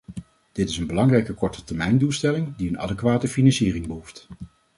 Dit is een belangrijke kortetermijndoelstelling, die een adequate financiering behoeft.